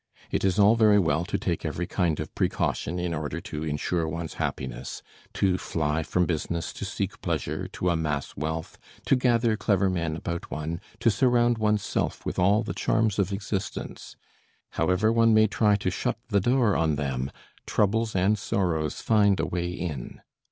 It is all very well to take every kind of precaution in order to insure one's happiness to fly from business, to seek pleasure, to amass wealth, to gather clever men about one, to surround one's self with all the charms of existence; however one may try to shut the door on them, troubles and sorrows find a way in.